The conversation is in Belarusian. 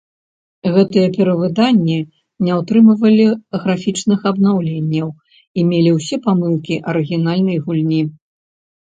Гэтыя перавыданні не ўтрымлівалі графічных абнаўленняў і мелі ўсе памылкі арыгінальнай гульні.